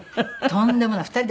とんでもない。